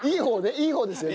いい方ですよね？